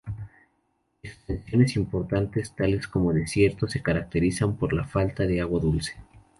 Extensiones importantes, tales como desiertos, se caracterizan por la falta de agua dulce.